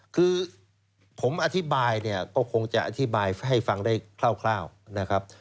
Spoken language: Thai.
คือผมอธิบายเนี่ยก็คงจะอธิบายให้ฟังได้คร่าวนะครับ